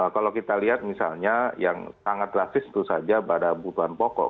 kalau kita lihat misalnya yang sangat drastis itu saja pada kebutuhan pokok